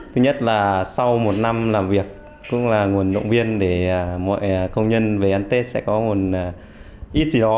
thứ nhất là sau một năm làm việc cũng là nguồn động viên để mọi công nhân về ăn tết sẽ có nguồn ít gì đó